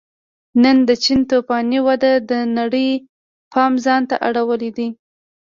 نن د چین توفاني وده د نړۍ پام ځان ته اړولی دی